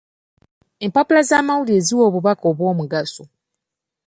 Empapula z'amawulire ziwa obubaka obw'omugaso.